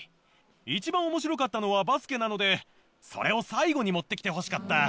一番面白かったのはバスケなのでそれを最後に持って来てほしかった。